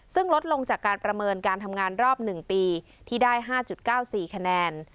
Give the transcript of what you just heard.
ซึ่งลดลงจากการประเมินการทำงานรอบ๑ปีที่ได้๕๙๔คะแนน